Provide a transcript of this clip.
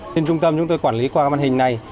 trên trung tâm chúng tôi quản lý qua cái màn hình này